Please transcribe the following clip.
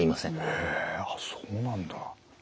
へえそうなんだ。